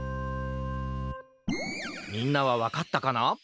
みんなはわかったかな？